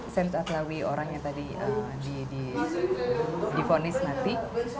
sen atlawi orang yang tadi di di di vonis mati